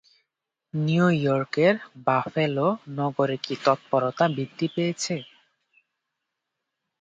নিউইয়র্কের বাফেলো নগরে কি তৎপরতা বৃদ্ধি পেয়েছে?